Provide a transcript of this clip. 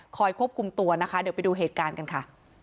ควบคุมตัวนะคะเดี๋ยวไปดูเหตุการณ์กันค่ะ